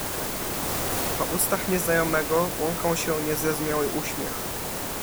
"Po ustach nieznajomego błąkał się niezrozumiały uśmiech."